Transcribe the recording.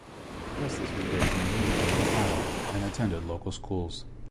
Augustus was raised near Louisville, Ohio, and attended local schools.